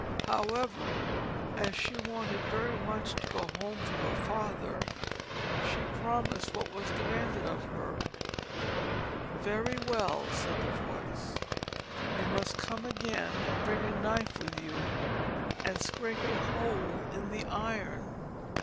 However, as she wanted very much to go home to her father, she promised what was demanded of her. "Very well," said the voice "you must come again, and bring a knife with you, and scrape a hole in the iron."